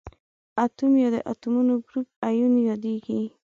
اتوم یا د اتومونو ګروپ ایون یادیږي.